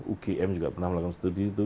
ugm juga pernah melakukan studi itu